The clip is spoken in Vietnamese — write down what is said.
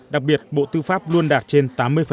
đặc biệt bộ tư pháp luôn đạt trên tám mươi